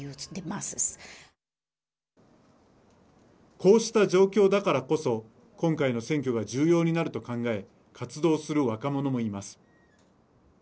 こうした状況だからこそ今回の選挙が重要になると考え活動する若者もいます。